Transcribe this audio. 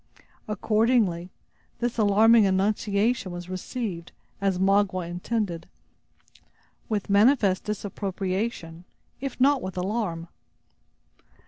Accordingly, this alarming annunciation was received, as Magua intended, with manifest disapprobation, if not with alarm.